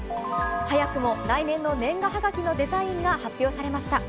早くも来年の年賀はがきのデザインが発表されました。